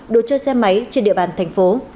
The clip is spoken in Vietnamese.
đồ chơi xe máy trên địa bàn tp hcm